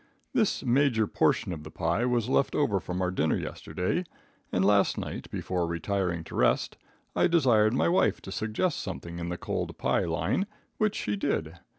This major portion of the pie was left over from our dinner yesterday, and last night, before retiring to rest, I desired my wife to suggest something in the cold pie line, which she did.